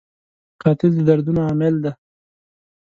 قاتل د دردونو عامل دی